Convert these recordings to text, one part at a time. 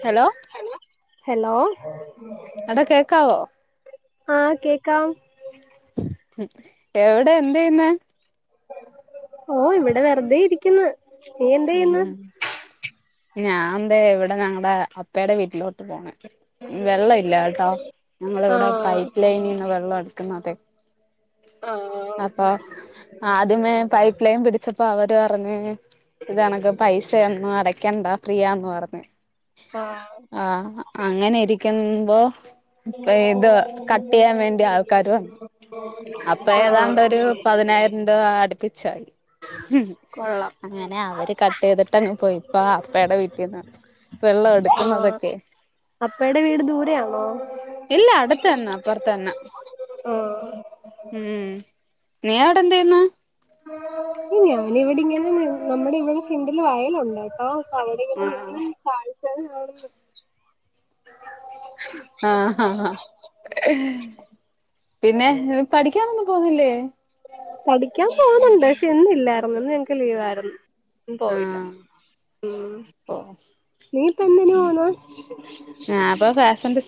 Hello hello hello അവ്ടെ കേക്കാവോ? ആഹ് കേക്കാം എവിടെ എന്ത് ചെയ്യുന്നെ? ഓഹ്, ഇവിടെ വെറുതെ ഇരിയ്ക്കുന്ന്. ഉം, ഞാൻ ദെ ഇവിടെ ഞങ്ങടെ അപ്പയുടെ വീട്ടിലോട്ട് പോണ്. വെള്ള ഇല്ലാട്ടോ ഞങ്ങളിവടെ ആഹ് പൈപ്പ് ലൈനീന്ന് വെള്ള എടുക്കുന്നത് ആഹ് അപ്പൊ ആദ്യമേ പൈപ്പ്ലൈൻ പിടിച്ചപ്പോ അവര്പറഞ്ഞ് ഇതണക്ക് പൈസ ഒന്നും അടക്കണ്ടാ ഫ്രീയാന്ന് പറഞ്ഞ് ആഹ് ആഹ്, അങ്ങനെ ഇരിയ്ക്കുമ്പൊ ഇപ്പ ഇത് കട്ടിയ്യാവേണ്ടി ആൾക്കാര് വന്ന് അപ്പൊ ആഹ് ഏതാണ്ടൊരു പതിനായിരം രൂപ അട്പ്പിച്ചായി കൊള്ളാം അങ്ങനെ അവര് കട്ടെയ്തിട്ടങ്ങ് പോയി ഇപ്പാ ആപ്പേടെവീട്ടിന്നാ വെള്ളം ആഹ് എടുക്കുന്നതൊക്കെ അപ്പയുടെ വീട് ദൂരയാണോ? ഇല്ല അടുത്ത തന്നെ അപ്പുറത്ത് തന്നെ ആഹ് ഉം നീ അവിടെ എന്താ ചെയ്യുന്നേ ഞാനിവിടെങ്ങനെ നമ്മുടെ ഇവടെ ഫ്രണ്ടില് വയലുണ്ട് കേട്ടോ അവിടിം ഇവിടിം നിന്ന് കാഴ്ചകള് കാണ്ന്ന് ആഹ് ആഹ് പിന്നെ, പഠിക്കാനൊന്നും പോവുന്നില്ലേ. പഠിക്കാൻ പോവുന്നുണ്ട്, പക്ഷെ ഇന്നില്ലായിരുന്നു. ഇന്ന് ഞങ്ങക്ക് ലീവായിരുന്നു. ഇന്ന് പോയില്ല ഉം ഓഹ്. നീ ഇപ്പ എന്തിന് പോന്ന്?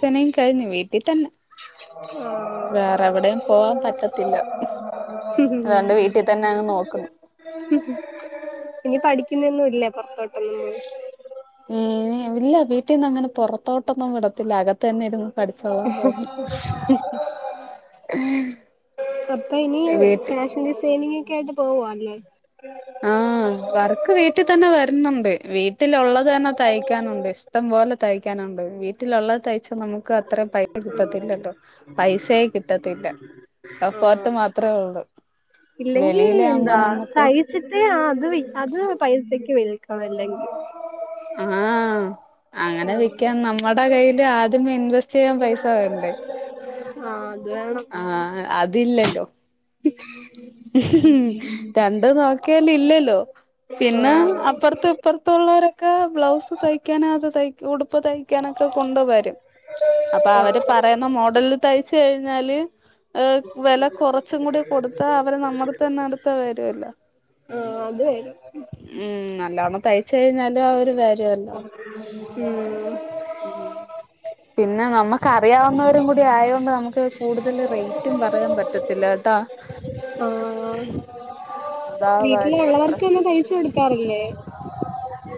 പണിം കഴിഞ്ഞു വീട്ടിൽ തന്നെ വേറെ എവിടെയും പോവാൻ പറ്റത്തില്ല ആഹ് അതുകൊണ്ട് വീട്ടി തന്നെ അങ്ങ് നോക്കുന്നു ഇനി പഠിക്കുന്നൊന്നും ഇല്ല പൊറത്തോട്ട് ഏയ് ഇല്ല വീട്ടീന്നങ്ങനെ പൊറത്തോട്ടൊന്നും വിടത്തില്ല അകത്തന്നെ ഇരുന്ന്- പഠിച്ചോളാം പറഞ്ഞു. അപ്പ ഇനി വീട്ടിൽ ഫാഷൻ ഡിസൈനിങ്ങൊക്കെ ആയിട്ട് പോവാല്ലേ ആഹ് വർക്ക് വീട്ടിതന്നെ വരുന്നുണ്ട് വീട്ടിലുള്ളത് തന്നെ തയ്ക്കാനുണ്ട് ഇഷ്ടം പോലെ തയ്ക്കാനുണ്ട് വീട്ടിലുള്ളത് തയ്ച്ച നമു ക്കത്ര പൈസ കിട്ടത്തില്ലല്ലോ പൈസേ കിട്ടത്തില്ല സപ്പോർട്ട് ആഹ് മാത്രേ ഒള്ളു ഇല്ലെങ്കി എന്താ തൈ ച്ചിട്ട് ആത് വി അത് പൈസക്ക് വിൽക്കണം അല്ലെങ്കി ആഹ് അങ്ങെനെ വിക്ക്യാൻ നമ്മടെ കയ്യില് ആദ്യം ഇൻവെസ്റ്റെയ്യാൻ പൈസ വേണ്ടേ ആഹ് അത് വേണം ആഹ് അതില്ലല്ലോ ഉം രണ്ട് നോക്ക്യാലില്ലല്ലോ പിന്നെ അപ്പർത്ത് ഇപ്പർത്തുള്ളോരൊക്കെ ബ്ലൗസ് തയ്ക്കാന അത് തയ് ഉടുപ്പ് തയ് ക്ക്യാനൊക്കെ കൊണ്ട് വരും അപ്പ അവര് ആഹ് പറയ്ന്ന മോഡൽല് തയ്ച്ച് കഴിഞ്ഞാല് ഏഹ് വെല കൊറച്ചും കൂടി കൊട്ത്താ അവര് നമ്മട്‌ത്തന്നെ അട്ത്തെ വരുവല്ലോ ആഹ് അത് വെരും ഉം നല്ലോണം തയ്ച്ച് കഴിഞ്ഞാല് അവര് വരോല്ലോ ഉം പിന്നെ നമ്ക്ക് അറിയാവുന്നവരും കൂടി ആയോണ്ട് നമ്ക്ക് കൂട്തല് റെയ്റ്റും പറയാൻ പ റ്റത്തില്ല കെട്ടാ ആഹ് അതാ വരുന്ന പ്രശ്നം വീട്ടിലുള്ളവർക്കാെന്നും തൈച്ച് കൊട്ക്കാറില്ലേ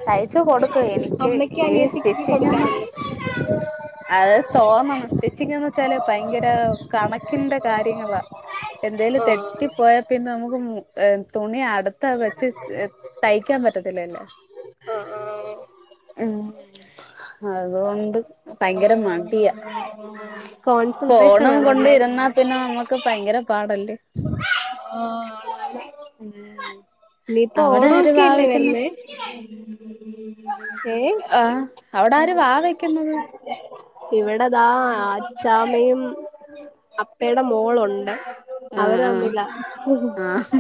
തയ്ച്ച് കൊട്ക്കും എനിക്ക് അമ്മയ്ക്ക് ഈ അനിയത്തിക്കൊക്കെ സ്റ്റിച്ചിങ്ങ്യൊന്ന് കൊടുക്കാറില്ലേ അത് തോന്നണം സ്റ്റിച്ചിങ്ങെന്നെച്ചാല് ഭയങ്കര കണക്ക്ന്റെ കാര്യങ്ങളാ എന്തേലും ആഹ് തെറ്റിപ്പോയാ പിന്നെ നമുക്ക് മു എഹ് തുണി അട്ത്തെ വെച്ച് എഹ് തയ്ക്ക്യാൻ പറ്റത്തില്ലല്ല ആഹ് ആഹ് ഉം അത്കൊണ്ട് ഭയങ്കര മടിയാ കോൺസെൻട്രേഷൻ ഫോണും കൊണ്ട് വേണല്ലേ ഇരുന്നാ പിന്നെ നമ്മുക്ക് ഭയെങ്കെരെ പാടല്ലേ ആഹ് ഉം നീപ്പാെ അവിടെ ആര് വാ ഓണാെക്കെയല്ലേ വെക്കുന്നു വര്ന്നെ ഏഹ് ആഹ് അവ്ടാര് വാ വെക്ക്ന്നെത് ഇവിടെതാ അച്ചാമ്മയും അപ്പേടെ മോളാെണ്ട് ആഹ് അവര് ആഹ് തമ്മിലാ ആഹ്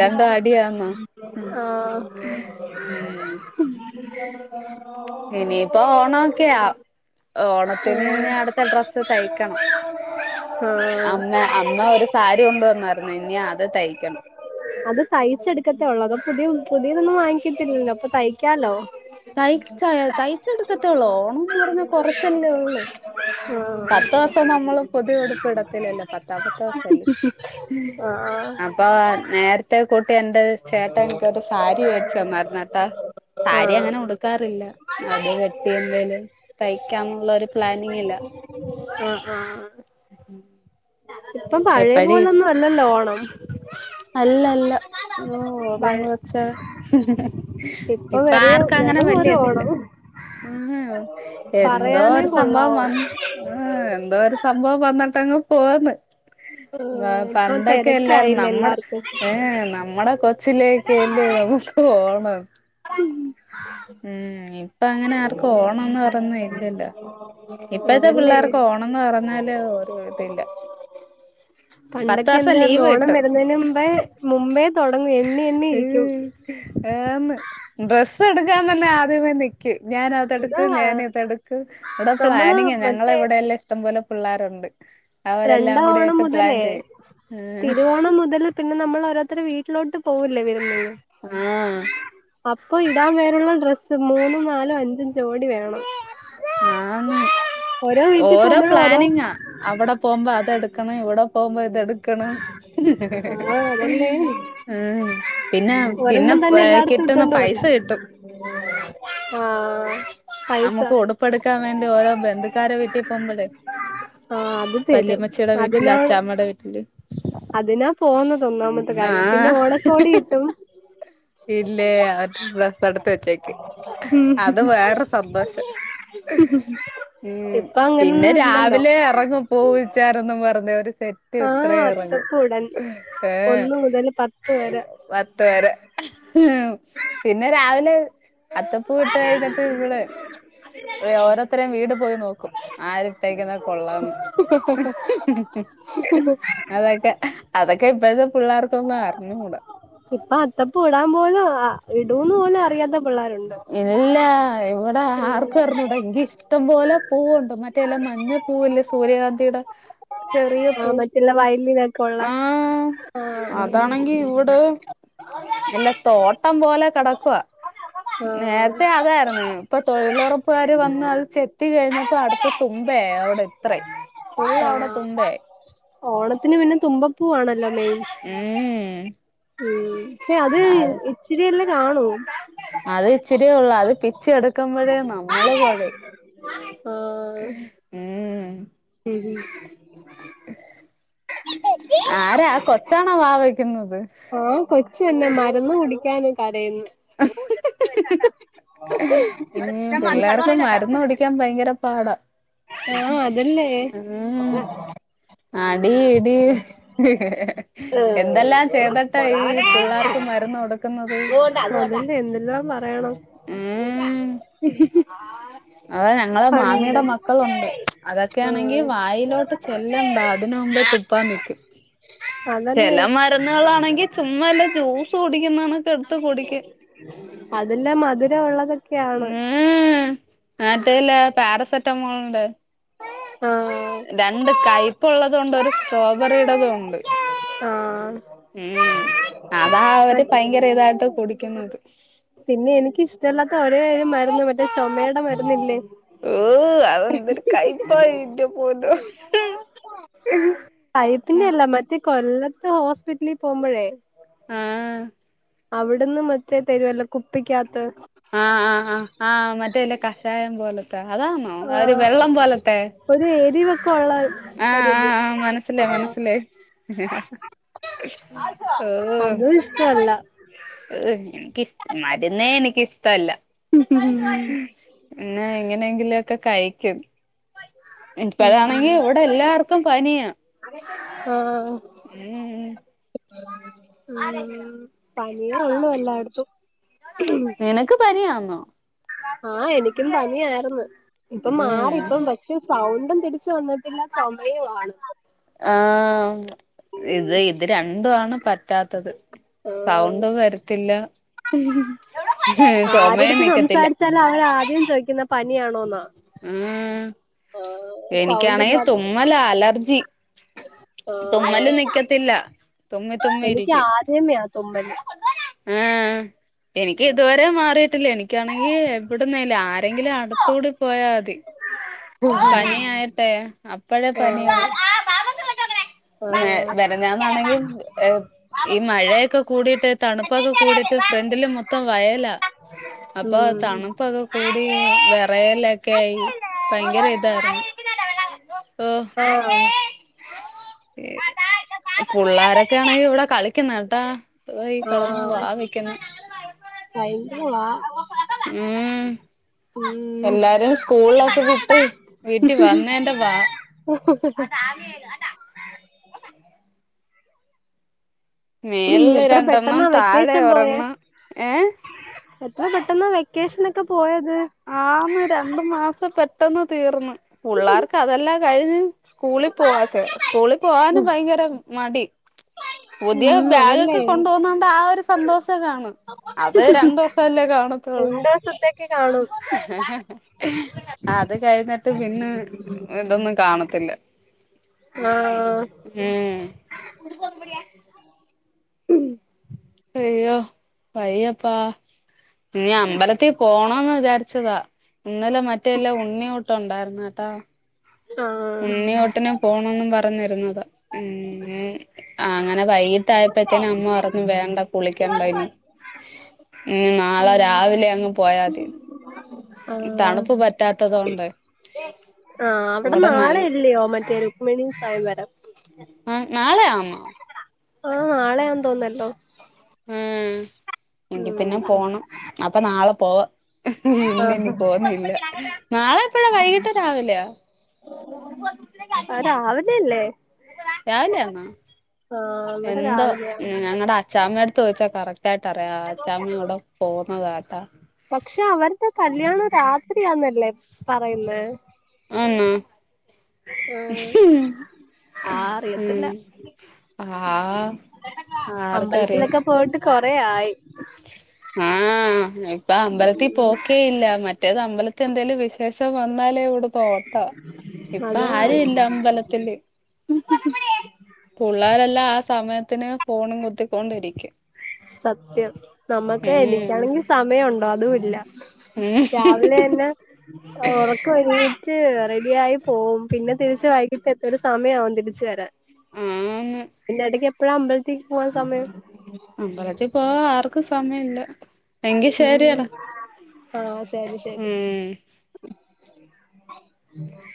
രണ്ടും അടിയാന്നോ ഉം ആഹ് ഉം ഇനിയിപ്പോ ഓണോക്കെയാ ഓണത്തിന് നി അട്ത്തെ ഡ്രസ്സ് തയ്ക്കെണം ആഹ് അമ്മേ അമ്മ ഒരു സാരി കൊണ്ടു വന്നായ്ര്ന്നേ ഇനി അത് തയ്ക്കണം അത് തയ്ച്ചെട്ക്കത്തേ ഒള്ളോ അതോ പുതിയു പുതിയതൊന്നും വാങ്ങിക്കത്തില്ലല്ലോ പ്പൊ തയ്ക്കാലോ തയ്ച്ചാ തയ്ച്ചെട്ക്കെത്തെ ഒള്ളൂ ഓണംന്ന് പറഞ്ഞാ കൊറെച്ചെല്ലേ ഒള്ള് ആഹ് പത്തോസം നമ്മള് പുതിയ ഉടുപ്പിടത്തില്ലല്ലോ പ ത്താമത്തോസല്ലേ ആഹ് അപ്പൊ നേര് ത്തെ കൂട്ടി എന്റെ ചേട്ടെൻ എനിക്കൊരു സാരി വേടിച്ചെന്നായിര്ന്നെട്ടാ സാരി അങ്ങെനെ ഉട്ക്കാറില്ല അത് വെട്ടി എന്തേലും തയ്ക്കാംന്നുള്ളൊരു പ്ലാനിങ്ങിലാ ആഹ് ആഹ് ഉം ഇപ്പൊ പഴേ പോലൊന്നും അല്ലല്ലോ ഓണം അല്ല അല്ല ഇ എ് പഴ ഓണംന്ന് വെച്ചാ ഇപ്പൊ ഇപ്പ വെറിയ ആർക്കും അങ്ങനെ വെറും ഒരു വല്ല്യ ഇതില്ല ഓണം ഉംഹും എന്തോ പറയാനേ ഒരു സംഭവം കൊള്ളാവോ വന് എ് എന്തോ ഒരു സംഭവം വന്നിട്ടങ്ങ് പോവന്ന് ആഹ് ഇപ്പൊ പണ്ടൊക്കെ എല്ലാരും തെരക്കായില്ലേ നമ്മുടെ എല്ലാർക്കും ഏഹ നമ്മുടെ കൊച്ചിലോ ക്കെ യല്ലെ ഓണം ഉം ഇപ്പ അങ്ങനെ ആർക്കും ഓണംന്ന് പറയുന്ന ഇല്ലല്ലോ ഇപ്പഴത്തെ അതല്ലേ പിള്ളേർക്ക് ഓണംന്ന് പറഞ്ഞാല് ഒരു ഇതില്ല [inaudible] [inaudible] പത്ത് പണ്ടൊക്കെ ദിവസം എന്തായിരുന്നു ലീവ് ഓണം കിട്ടും വരുന്നതിന് മുമ്പേ മുമ്പേ തുടങ്ങി എണ്ണി എണ്ണി ഇരിക്കും ന്ന് ഡ്രസ്സ് എടുക്കാൻ തന്നെ ആദ്യം ന ഞാനൻ അതാ അതെടുക്കക്ക് ഞാൻ ഇതെടുക്ക ഇവിടെ നമ്മള് പ്ലാനിങ്ങ ഞങ്ങളെ മറ്റേ ഇവിടെ ല്ല ഇഷ്ടംപലെ പിള്ളേരുുണ്ട് രണ്ട ഓണം മുതലേ ഉം തിരുവോണം മുതൽ പിന്നെ നമ്മൾ ഓരോരുത്തർ വീട്ടിലോട്ട് പോകില്ലേ വിരുന്നിന് ആഹ അപ്പൊ ഇടാൻ വേരുള്ള ഡ്രസ്സ് മൂന്നും നാലും അഞ്ചും ചോടി വേണം ആന്ന് ഓരോ പ്ലാനിങ്ങാ അവിടെ പോകുമ്പോ അതെടുക്കണം ഇവിടെ പോകുമ്പോ ഇതെടുക്കണം ആ അതല്ലേ ഉം പിന്നെ പിന്നെ കിട്ടുന്ന പൈസ കിട്ടും ആഹ നമുക്ക് ഉടുപ്പടുക്കാൻ വേണ്ടി ഓരോ ബന്ധുക്കാരെ വീട്ടി പോകുമ്പോഴേ ആഹ് അത് തരും പല്ലിയമ്മച്ചിയടെ വീട്ടില് അതിനാണ് അച്ചാമ്മടെ വീട്ടില് അതിനാ പോകന്നുന്നത് ഒന്നാമത്തെ കാര്യം പിന്നെ ആഹ് ഓണക്കോടി കിട്ടും ഇല്ലേ അവരു ഡ്രസ് എടുത്ത് വെച്ചേക്ക് അത് വേറെ സന്തോഷം ഉം ഹ ഉ പിന്നെ രാവിലെ ഇറങ്ങും പൂ പിച്ചാനെന്നും പറഞ്ഞേര് സെറ്റ് മത്തി ഇത്ര ആഹ് ഇറങ്ങും അത്തപ്പൂടൻ ഏ ഒന്ന് മുതൽ പത്ത് വരെ പത്ത വരെ ഉ പിന്നെ രാവിലെ അത്തപ്പൂ വിട്ട് കഴുന്നിട്ട് ഇവള് ഓരോരുത്തേയും വീട് പോയി നോക്കും ആരിട്ടേക്കുന്ന കൊള്ള ശെ അതൊക്കെ അതൊക്കെ ഇപ്പോഴത്തെ പിള്ളേർക്കൊന്നും അറിഞ്ഞുകൂടാ ഇപ്പ അത്തപ്പ ഇടാൻ പോലും ഇടൂന്ന് പോലും അറിയാത്ത പിള്ളേരുണ്ട് ഇല്ല ഇവിടെ ഇവിടെ ആർക്കും ഇറഞ്ഞൂടാ എങ്കി ഇഷ്ടം പോലെ പൂവുണ്ടണ്ട് മറ്റേെല്ലാം മഞ്ഞ പൂവല്ലേ സൂര്യകാന്തിയുടെ ചെറിയ ആഹ പൂ മറ്റെല്ല വയലില് ഒക്കോള്ള ആഹ് ആ ഇല്ല തോട്ടം പോലെ കിടക്കുവ നേരത്തെ അതായിരുന്നു ഇപ്പൊ തൊഴിലുറപ്പുകാര് വന്ന് അത് ചെത്തി കഴിഞ്ഞപ്പോ അടുത്ത തുമ്പയായി അവിടെ ഇത്ര ഫുള്ള് അവിടെ ആഹ് തുമ്പയ ഓണത്തിന് പിന്നെ തുമ്പപ്പൂവാണല്ലോ മെയിൻ ഉം ഉ പക്ഷെ അത് ഇച്ചിരിയല്ലാം കാണോ അത് ഇച്ചിരിയേ ഉള്ള അത് പിിച്ച എടുക്കുമ്പോഴേ നമ്മള് കൊഴങ്ങും ആഹ ഉം ഉംം ആരാ കൊച്ചാണോ വാ വെക്കുന്നത് ആഹ കൊച്ച് തന്നെ മരുന്ന് കുടിക്കൻ കരയുന്നു ഏഹ് പിള്ളേർക്ക് മരുന്ന് കുടിക്കാൻ ഭയങ്കര പാടാ ആഹാ അതന്നെ ഉം അടി ഇടി എന്തെല്ലാം ചെയ്തട്ടാ ഈ പുള്ളാർക്ക് മരുന്ന് കൊടക്ക ക്ക്ന്നത്? അതെന്നെ എന്തെല്ലാം പറയണം അതെ ഞങ്ങളെ പണ്ട് മാമിയ്ടെ മക്കളുണ്ട് അതൊക്കൊയാണെങ്കി ആഹ് വായിലോട്ട് ചെല്ലണ്ടാ അതിന് മുമ്പേ തുപ്പാ നിക്കും അതല്ലേ ചെല മരുന്നുകളാണെങ്കി ചുമ്മാ വെല്ല ജ്യൂസ് കുടിക്കുന്നണക്ക് എടുത്ത് കുടിക്കും. അതെല്ലാം മധുരവൊള്ളതെക്കെയാണ്. ഉംഹ് മറ്റെല്ലെ പാരസെറ്റാമോള്ന്റെ? ആഹാ രണ്ട് കയ്പ്ള്ളതുവുണ്ട് ഒരു സ്ട്രോബെറിടതുവുണ്ട്. ആഹാ. മ്ഹ് അതാ അവര് പയങ്കരെ ഇതായിട്ട് കുടിക്കുന്നത്. പിന്നെ എനിക്കിഷ്ടല്ലാത്ത ഒരെയൊരൂ മരുന്ന് മറ്റെ ചൊമേടെ മരുന്നില്ലേ? ഇഹ് അതെന്തരു കൈപ്പാ ഇന്റെ പൊന്നോ ഉം കൈപ്പിന്റെയെല്ല മറ്റെ കൊല്ലത്തെ ഹോസ്പിറ്റലി പോവുമ്പഴേ. ആഹാ അവിട്ന്ന് മറ്റെ തെരുവല്ലോ? കുപ്പിക്കാത്ത് ആഹ് ആഹ് ആ് ആഹ് മറ്റേലേ കഷായം പോലത്തെ അതാന്നോ അ ഒര് ആഹ് വെള്ളം പോലത്തെ? ഒരു എരിവൊക്കൊള്ളെ? ആഹ ആഹ് ആഹ മനസ്സിലായ് മനസ്സിലായ്. ഓഹോ പച്ചവെള്ളം ഏഹ് എനക്കിഷ് മരുന്നേ എനിക്കിഷ്ടവല്ല. പിന്നെ എങ്ങെനേങ്കിലൊക്കെ കഴിക്കും. ഉം ഇപ്പഴാണെങ്കി ഇവടെ എല്ലായിട്ത്തും പനിയാ. ആഹ്. ഉം ഉംഹ് പനിയെ ഒള്ളു എല്ലാട്ത്തും. നിനക്ക് പനിയാന്നോ? ആഹ് എനിക്കും പനിയാര്ന്ന് ഇപ്പം ഉം മാറിപ്പം വെ ക്കും സൗണ്ടും തിരിച്ച് വന്നിട്ടില്ല ചൊമയുവാണ്. ആഹ് ഇത് ഇത് രണ്ടു ആണ് പറ്റാത്തത്. ആഹ് സൗണ്ട് വരത്തില്ല. [inaudible] ചുമയും ആരെടുത്ത് നിക്കത്തില്ല സംസാരിച്ചാലും അവരാദ്യം ചോയ്ക്കുന്നെ പനിയാണോന്നാ? ഉംഹ് ആഹ് സൗണ്ട് എനിക്കാണെ ഇല്ലാത്ത തുമ്മലാ അലർജി. തുമ്മല് ആഹ് നിക്കത്തില്ല തുമ്മി തുമ്മി ഇരിക്കും എനിക്കാദ്യമെയാ തുമ്മല്. ആഹ് എനിക്ക് ഇതുവരെ മാറിയിട്ടില്ല എനിക്കാണെങ്കി എവ്ടെന്നേലും ആര് ത്തെങ്കിലും അടുത്തൂടി പോയാമതി. ഉഹ്. ട്ടെ അപ്പഴേ പനിയാവും ന്നേ വെരഞ്ഞാന്നാണെങ്കി ഏഹ് ഈ മഴയൊക്കെ കൂടിയിട്ട് തണുപ്പൊക്കെ കൂടിട്ട് ഫ്രണ്ടില് മൊത്തം വയലാ ഉം അപ്പൊ തണുപ്പൊക്കെ കൂടി വെറയലക്കെ ആയി ഭയങ്കര ഇതായിരുന്നു. [unintelligible] ഓഹ്. ആഹ്. പുള്ളാരൊക്കെയാണെങ്കി ഇവിടെ കളിക്കുന്നേട്ടോ അതാ ഈ കെടന്ന് വാ വെക്കുന്നെ. ഭയങ്കരവാ. [unintelligible] ഉം എല്ലാരും സ്കൂളിലൊക്കെ വിട്ട് വീട്ടിൽ വന്നേന്റെ വാ [unintelligible] മേളില് എത്ര രണ്ടെണ്ണം പെട്ടെന്നാ താഴെ വെക്കേഷൻ പോയേ. ഒരെണ്ണം ഏഹ് എത്ര പെട്ടെന്ന വെക്കേഷനക്കെ പോയത്. ആന്ന് രണ്ടു മാസം പെട്ടെന്ന് തീർന്ന്. പുള്ളാർക്ക് അതെല്ലാം കഴിഞ്ഞ് സ്കൂളിൽ പോവാ സെ സ്കൂളിൽ പോവാനും ഭയങ്കര. മടി പുതിയ ഉം അതല്ലേ ബാഗൊക്കെ കൊണ്ടപോന്ന കൊണ്ട് ആഹ് ഒരു സന്തോഷം കാണും. അത് രണ്ട് ദിവസല്ലേ കാണത്തൊള്ളൂ. [unintelligible] അത് കഴ്ന്നട്ട് പിന്നെ- ഇതൊന്നും കാണത്തില്ല. ആഹ്. ഉം [unintelligible] യ്യോ വയ്യാപ്പാ. ഞ്ഞി അമ്പലത്തിേ പോണന്ന് വിചാരിച്ചതാ ഇന്നലെ മറ്റേെല്ലാ ഉണ്ണിയുട്ട്ഒണ്ടാര്ന്ന്ട്ടോ ആഹ് ഉണി ട്ടനെ പോണന്ന് പറഞ്ഞിരുന്നത്. ആഹ് അങ്ങനെ വൈകിട്ടയപ്പോഴത്തേനും അമ്മ പറഞ്ഞു വേണ്ട കുളിക്കണ്ട ഇനി. ഉം നാളെ രാവിലെ അങ്ങ് പോയാതി. ആഹ് തണുപ്പ് പറ്റാത്തത് കൊണ്ട് അഹ് ആഹ് അവിടെ ഇവിടെ നാളെ നല്ല ഇല്ലയോ മറ്റേ രുക്മണി സ്വയവരം? ആഹ് നാളെ ആന്നോ? ആഹ് നാളെയാന്ന് തോന്നെട്ടോ ഉം എങ്കി ഉം പിന്നെ പോണം അപ്പൊ നാളെ പോവാ. ഇല്ല ഇനി ആഹ് പോന്നില്ല നാളെ ഇപ്പോഴാ വൈകിട്ട് രാവിലെയ. അഹ് രാവിലല്ലെ. രാവിലെയാന്നോ ഇവിടെ എന്തോ രാവിലെയാ ഞങ്ങടച് - ഛമ്മെടുത്ത് ചോയ്ച്ച കറക്റ്റ് ആയിട്ട് അറിയാ ഛമ്മ അവിടെ പോന്നതാട്ടാ. പക്ഷെ അവരതെ കല്യാണം രാത്രിയാന്നല്ലേ പറയ്ന്നെ. അന്നോ ആഹ് ഉം. ആഹ് അറിയത്തില്ല ആഹ്. ആർക്കറിയാ അമ്പലത്തിലൊക്കെ പോയിട്ട് കൊറെ ആയി. ആഹ് ഇപ്പ അമ്പലത്തിൽ പോക്കേയില്ല മറ്റേത് അമ്പലത്തി എന്തേലും വിശേഷം വന്നാലേ ഇവിടെ- പോട്ടോ ഇപ്പൊ അതാ ആരുല്ല അമ്പലത്തില്. പുള്ളേരെല്ലാം ആ സമയത്തിന് ഫോണും കുത്തിക്കൊണ്ടിരിക്കും. സത്യം നമ്മുക്ക് ഉം എനിക്കാണെങ്കി സമയണ്ടോ അതുല്ല. ഉം രാവിലന്ന ഒറക്കഎണീറ്റ് റെഡിയായി പോവും. പിന്നെ തിരിച്ച് വൈകിട്ട് എ ഒരു സമയവും തിരിച്ച് വരാൻ ആന്ന് പിന്ന ഇടക്ക് എപ്പോഴാ- ത്തിൽ പോവാൻ സമയം. അമ്പലത്തിൽ പോവാ ആർക്കും സമയം ഇല്ല. ഉം അഹ് ശരി ശരി. ഉം [inaudible]